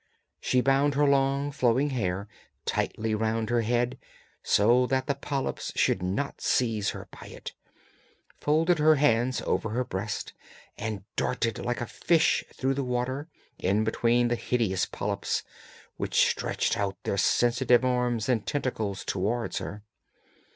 She bound her long flowing hair tightly round her head, so that the polyps should not seize her by it, folded her hands over her breast, and darted like a fish through the water, in between the hideous polyps, which stretched out their sensitive arms and tentacles towards her.